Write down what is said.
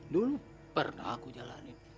dulu pernah aku jalanin